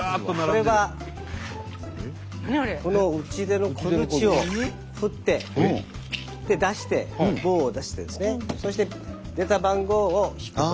これはこの打ち出の小づちを振って出して棒を出してそして出た番号を引くと。